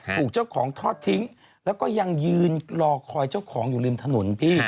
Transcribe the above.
ถูกเจ้าของทอดทิ้งแล้วก็ยังยืนรอคอยเจ้าของอยู่ริมถนนพี่